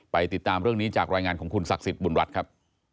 ติดตามเรื่องนี้จากรายงานของคุณศักดิ์สิทธิบุญรัฐครับ